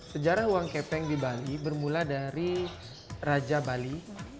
sejarah uang kepeng di bali bermula dari raja bali